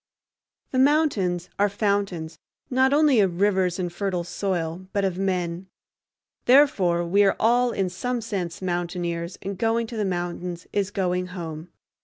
The mountains are fountains not only of rivers and fertile soil, but of men. Therefore we are all, in some sense, mountaineers, and going to the mountains is going home.